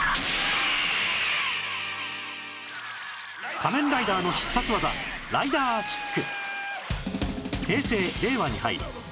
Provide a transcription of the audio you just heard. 仮面ライダーの必殺技ライダーキック